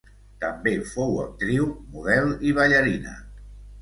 També fou actriu, model i ballarina.